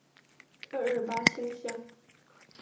二二八清鄉